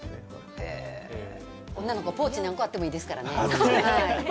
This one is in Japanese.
女の子はポーチは何個あってもいいですからね。